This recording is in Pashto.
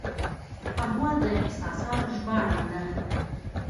قهوه د احساساتو ژباړن ده